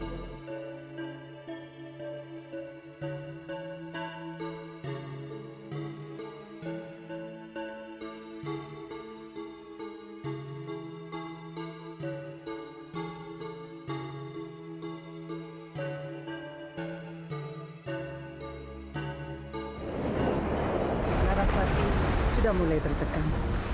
nara saki sudah mulai tertekan